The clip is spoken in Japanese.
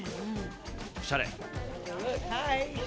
おしゃれ。